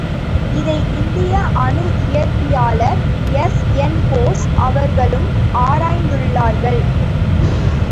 இதை இந்திய அணுஇயற்பியலார் எஸ்.என்.போஸ் அவர்களும் ஆராய்ந்துள்ளார்கள்.